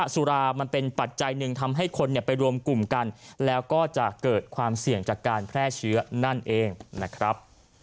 สุรามันเป็นปัจจัยหนึ่งทำให้คนไปรวมกลุ่มกันแล้วก็จะเกิดความเสี่ยงจากการแพร่เชื้อนั่นเองนะครับ